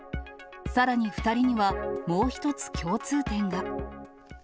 さらに２人には、もう一つ共通点が。